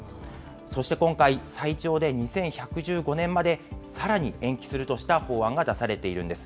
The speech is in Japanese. そして今回、最長で２１１５年までさらに延期するとした法案が出されているんです。